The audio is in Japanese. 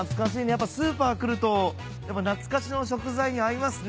やっぱスーパー来ると懐かしの食材に会いますね